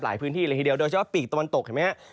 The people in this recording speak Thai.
พื้นที่เลยทีเดียวโดยเฉพาะปีกตะวันตกเห็นไหมครับ